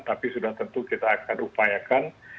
tapi sudah tentu kita akan upayakan